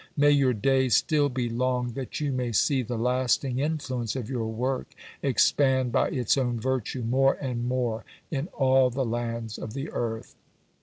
May your day still be long that you may see the lasting influence of your work expand by its own virtue more and more in all the lands of the earth."